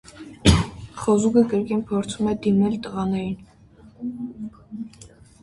Խոզուկը կրկին փորձում է դիմել տղաներին։